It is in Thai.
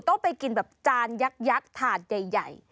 ต้องไปกินจานยักยักทาสใหญ่